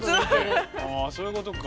ああそういうことか。